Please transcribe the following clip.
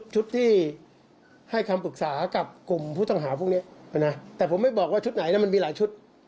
ชุดที่ให้คำปรึกษากับกลุ่มผู้ต้องหาพวกนี้นะแต่ผมไม่บอกว่าชุดไหนมันมีหลายชุด